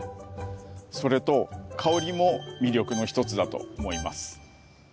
それと香りも魅力の一つだと思います。